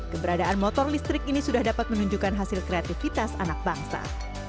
keberadaan motor listrik ini sudah dapat menunjukkan hasil kreativitas anak bangsa